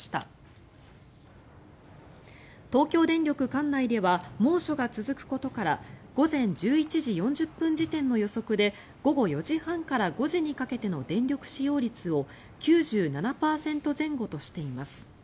管内では猛暑が続くことから午前１１時４０分時点の予測で午後４時半から５時にかけての電力使用率を９７％前後としています。